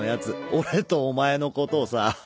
俺とお前の事をさ。